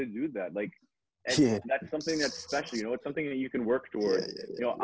dan gue ingin bisa melakukannya